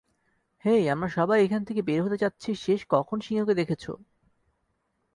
হেই, আমরা সবাই এখান থেকে বের হতে চাচ্ছি শেষ কখন সিংহকে দেখেছো?